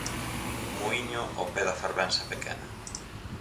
Muíño ao pé da fervenza pequena.